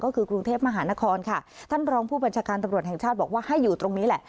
ก็คือกรุงเทพมหานครค่ะท่านรองผู้บัญชาการตำรวจแห่งชาติบอกว่าให้อยู่ตรงนี้แหละ